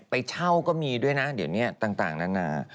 ไปเช่าก็มีด้วยนะเดี๋ยวนี้ต่างนานา